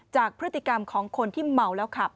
จากพฤติกรรมของคนที่เมาแล้วขับ